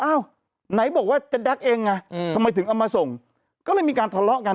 ไหนบอกว่าจะแก๊กเองไงทำไมถึงเอามาส่งก็เลยมีการทะเลาะกัน